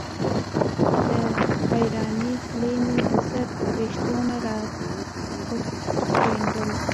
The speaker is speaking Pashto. د حېرانۍ خولې مې د سر وېښتو نه راودنګل